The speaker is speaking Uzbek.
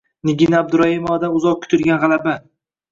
Nigina Abduraimovadan uzoq kutilgan g‘alabang